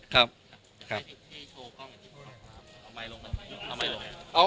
ครับครับ